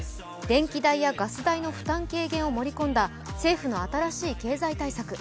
電気代やガス代の負担軽減を盛り込んだ政府の新しい経済対策。